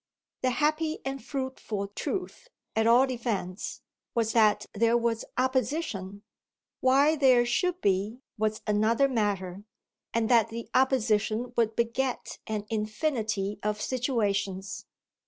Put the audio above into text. The happy and fruitful truth, at all events, was that there was opposition why there should be was another matter and that the opposition would beget an infinity of situations.